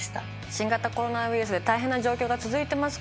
新型コロナウイルスで大変な状況が続いてますけども。